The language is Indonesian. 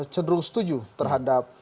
cenderung setuju terhadap